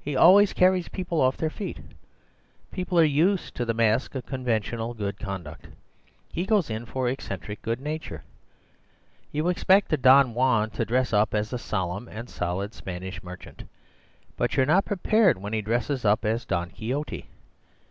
He always carries people off their feet. People are used to the mask of conventional good conduct. He goes in for eccentric good nature. You expect a Don Juan to dress up as a solemn and solid Spanish merchant; but you're not prepared when he dresses up as Don Quixote.